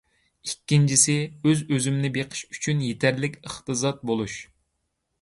ئىككىنچىسى، ئۆز-ئۆزۈمنى بېقىش ئۈچۈن يېتەرلىك ئىقتىساد بولۇش.